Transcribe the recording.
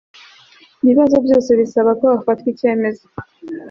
bibazo byose bisaba ko hafatwa icyemezo